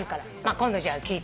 今度じゃあ聞いて。